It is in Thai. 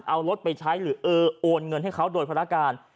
เอารถไปใช้หรือโอนเงินให้เขาโดยภารการ